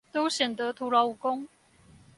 都顯得徒勞無功